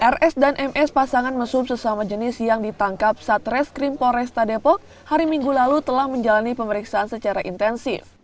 rs dan ms pasangan mesum sesama jenis yang ditangkap saat reskrim polresta depok hari minggu lalu telah menjalani pemeriksaan secara intensif